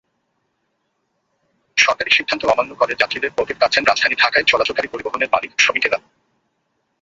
সরকারি সিদ্ধান্ত অমান্য করে যাত্রীদের পকেট কাটছেন রাজধানী ঢাকায় চলাচলকারী পরিবহনের মালিক-শ্রমিকেরা।